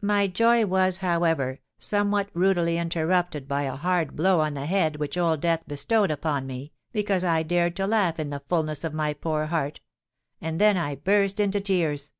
My joy was, however, somewhat rudely interrupted by a hard blow on the head which Old Death bestowed upon me, because I dared to laugh in the fulness of my poor heart; and then I burst into tears.